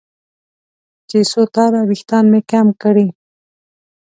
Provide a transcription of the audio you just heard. چې څو تاره وېښتان مې کم کړي.